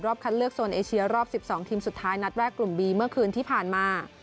คัดเลือกโซนเอเชียรอบ๑๒ทีมสุดท้ายนัดแรกกลุ่มบีเมื่อคืนที่ผ่านมา